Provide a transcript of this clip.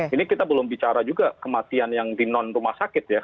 ini kita belum bicara juga kematian yang di non rumah sakit ya